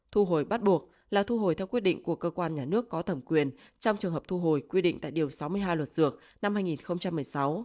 thu hồi bắt buộc là thu hồi theo quyết định của cơ quan nhà nước có thẩm quyền trong trường hợp thu hồi quy định tại điều sáu mươi hai luật dược năm hai nghìn một mươi sáu